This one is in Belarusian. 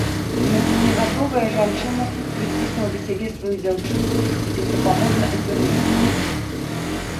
Дванаццацігадовая жанчына прыціснула да сябе сваю дзяўчынку і бездапаможна азірнулася.